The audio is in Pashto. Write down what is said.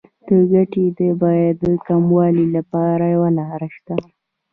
د ګټې د بیې د کموالي لپاره یوه لار شته